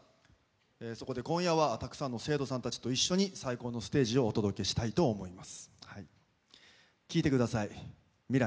そこで今夜は、たくさんの生徒さんたちと一緒に最高のステージをお届けしたいと思います。